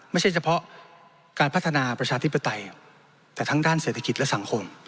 ไม่ใช่เฉพาะการพัฒนาประชาธิปไตยแต่ทั้งด้านเศรษฐกิจและสังคม